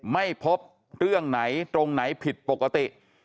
ไม่พบเรื่องไหนตรงไหนผิดปกติ